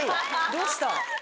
どうした？